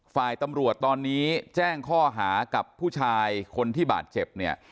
ฝ่ายตำรวจตอนนี้แจ้งข้อหากับผู้ชายคนที่บาดเจ็บเนี่ย